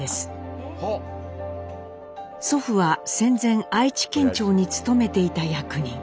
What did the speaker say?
祖父は戦前愛知県庁に勤めていた役人。